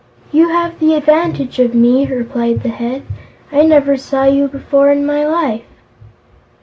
"You have the advantage of me," replied the Head. "I never saw you before in my life."